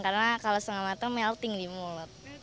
karena kalau setengah mateng melting di mulut